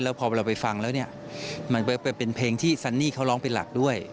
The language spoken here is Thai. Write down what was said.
พอเราไปฟังแล้วเนี่ยมันเป็นเพลงที่ซันนี่เขาร้องเป็นหลักด้วย